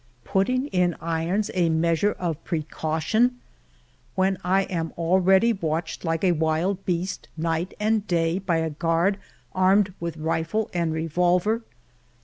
Putting in irons a measure of precaution ! When I am already watched like a wild beast night and day by a guard armed with rifle and revolver.